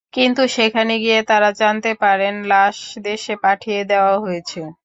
কিন্তু সেখানে গিয়ে তাঁরা জানতে পারেন লাশ দেশে পাঠিয়ে দেওয়া হয়েছে।